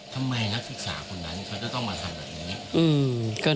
ทำไมนักศึกษาคนนั้นจะต้องมาทำแบบนี้